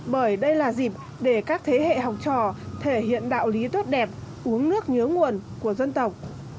bởi đây là dịp để các thế hệ học trò thể hiện đạo lý tốt đẹp uống nước nhớ nguồn của dân tộc